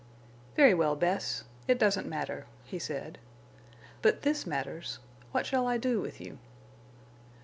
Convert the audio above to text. "Very well, Bess. It doesn't matter," he said. "But this matters—what shall I do with you?"